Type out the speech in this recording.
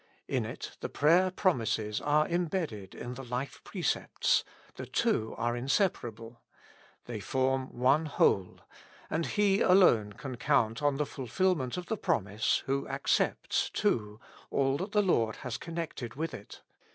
In it the prayer promises are imbedded in the life precepts ; the two are inseparable. They form one whole, and he alone can count on the fulfilment of the promise, who accepts, too, all that the Lord has connected with it.